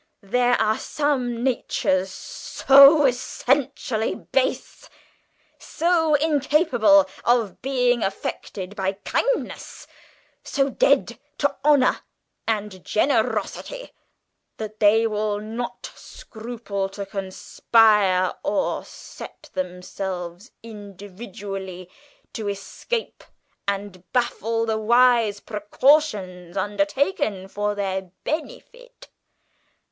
There are some natures so essentially base, so incapable of being affected by kindness, so dead to honour and generosity, that they will not scruple to conspire or set themselves individually to escape and baffle the wise precautions undertaken for their benefit.